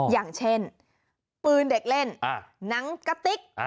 อย่างเช่นปืนเด็กเล่นหนังกะติ๊ก